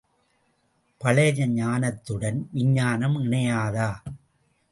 பழைய ஞானத்துடன் விஞ்ஞானம் இணையாதா?